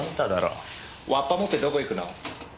ワッパ持ってどこ行くの？